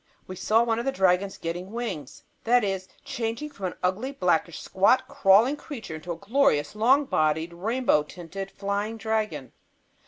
We saw one of the dragons getting wings! That is, changing from an ugly, blackish, squat, crawling creature into a glorious long bodied, rainbow tinted, flying dragon.